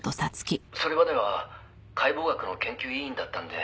「それまでは解剖学の研究医員だったんで」